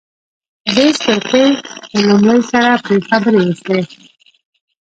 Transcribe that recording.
دې څپرکي له لومړي سره پرې خبرې وشوې.